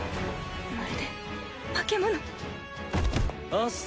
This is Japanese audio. まるで化け物あっ